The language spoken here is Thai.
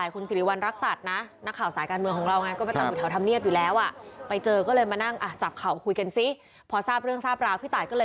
กูไม่กลัวแล้ว